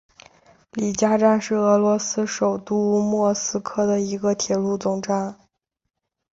里加站是俄罗斯首都莫斯科的一个铁路总站。